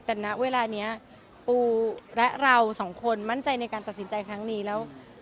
แต่ณเวลานี้ปูและเราสองคนมั่นใจในการตัดสินใจครั้งนี้แล้ว